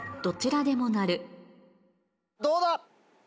どうだ？